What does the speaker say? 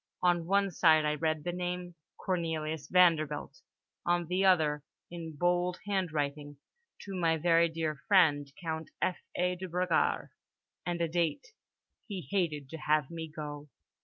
On one side I read the name "Cornelius Vanderbilt"—on the other, in bold handwriting—"to my very dear friend Count F.A. de Bragard" and a date. "He hated to have me go."